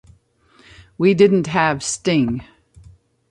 We didn't have Sting.